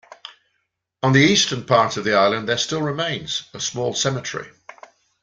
On the eastern part of the island there still remains a small cemetery.